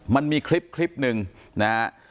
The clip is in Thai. มันมีคลิปคลิปหนึ่งนะฮะ